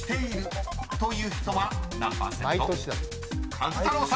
［壱太郎さん］